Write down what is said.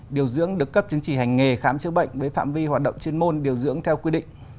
điều dưỡng được cấp chứng chỉ hành nghề khám chữa bệnh với phạm vi hoạt động chuyên môn điều dưỡng theo quy định